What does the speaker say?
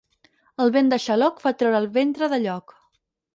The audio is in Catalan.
El vent de xaloc fa treure el ventre de lloc.